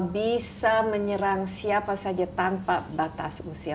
bisa menyerang siapa saja tanpa batas usia